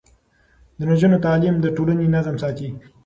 د نجونو تعليم د ټولنې نظم ساتي.